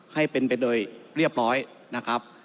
ให้เป็นไปโดยเรียบร้อยนะครับ